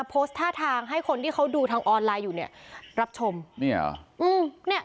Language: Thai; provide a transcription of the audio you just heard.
โพสต์ท่าทางให้คนที่เขาดูทางออนไลน์อยู่เนี่ยรับชมเนี่ยเหรออืมเนี่ย